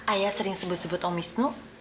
ayah sering sebut sebut om wisnu